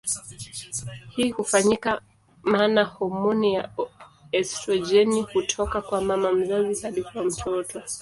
Hii hufanyika maana homoni ya estrojeni hutoka kwa mama mzazi hadi kwa mtoto.